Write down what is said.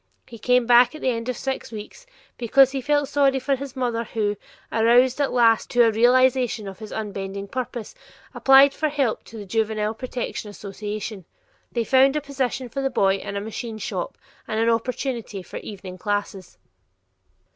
He came back at the end of six weeks because he felt sorry for his mother who, aroused at last to a realization of his unbending purpose, applied for help to the Juvenile Protective Association. They found a position for the boy in a machine shop and an opportunity for evening classes.